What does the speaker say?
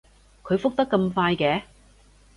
佢覆得咁快嘅